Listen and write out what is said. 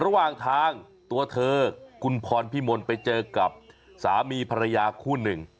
ระหว่างทางตัวเธอคุณพรพิมลไปเจอกับสามีภรรยาคู่หนึ่ง